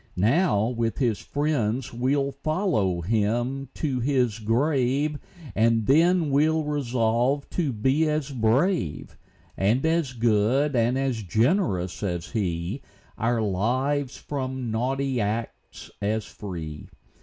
Now, with his friends, we'll follow him to his grave, And then we'll resolve to be as brave, And as good, and as generous as he, Our lives from naughty acts as free.